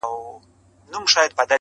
خلک وه ډېر وه په عذاب له کفن کښه!.